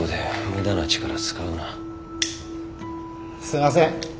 すいません。